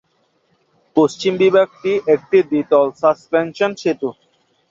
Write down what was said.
পশ্চিম বিভাগটি একটি দ্বি-তল সাসপেনশন সেতু।